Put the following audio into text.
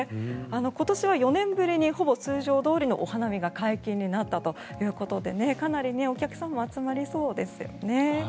今年は４年ぶりにほぼ通常どおりのお花見が解禁になったということでかなりお客様も集まりそうですよね。